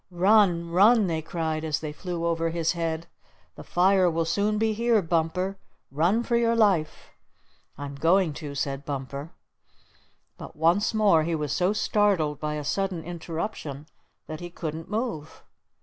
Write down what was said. "Run! Run!" they cried as they flew over his head. "The fire will soon be here, Bumper! Run for your life!" "I'm going to," said Bumper. But once more he was so startled by a sudden interruption that he couldn't move.